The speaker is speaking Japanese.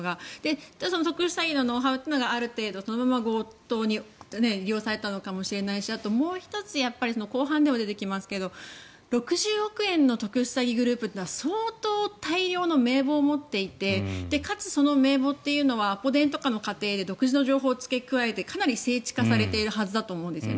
その特殊詐欺のノウハウがある程度そのまま強盗に利用されたのかもしれないしもう１つ、後半でも出てきますが６０億円の特殊詐欺グループは相当、大量の名簿を持っていてかつ、その名簿というのはアポ電の過程で独自の情報を付け加えてかなり精緻化されているはずだと思うんですよね。